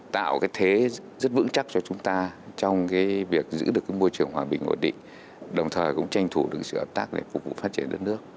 tạo thế rất vững chắc cho chúng ta trong việc giữ được môi trường hoàn bình ổn định đồng thời cũng tranh thủ được sự hợp tác để phục vụ phát triển đất nước